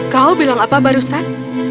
kau bilang apa barusan